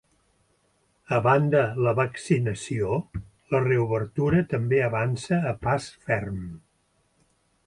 A banda la vaccinació, la reobertura també avança a pas ferm.